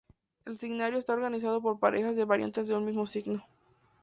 El signario está organizado por parejas de variantes de un mismo signo.